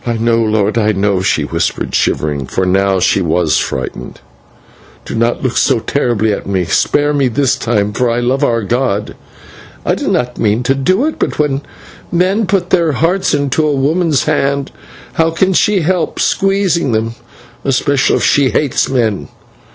"I know, lord, I know," she whispered, shivering, for now she was frightened. "Do not look so terribly at me; spare me this time for the love of God! I did not mean to do it, but when men put their hearts into a woman's hand, how can she help squeezing them, especially if she hates men?